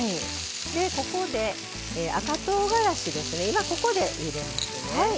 ここで、赤とうがらしをここで入れますね。